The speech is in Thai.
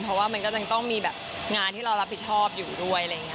เพราะว่ามันก็จะต้องมีงานที่เรารับผิดชอบอยู่ด้วย